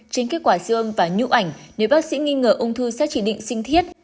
trên kết quả siêu âm và nhu ảnh nếu bác sĩ nghi ngờ ung thư sẽ chỉ định sinh thiết